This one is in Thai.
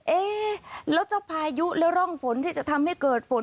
เอ๊ะแล้วเจ้าพายุและร่องฝนที่จะทำให้เกิดฝน